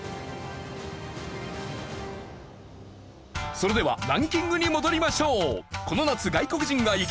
それではランキングに戻りましょう。